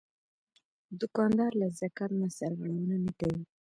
دوکاندار له زکات نه سرغړونه نه کوي.